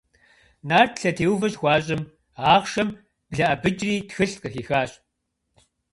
Нарт лъэтеувэ щыхуащӏым, ахъшэм блэӏэбыкӏри тхылъ къыхихащ.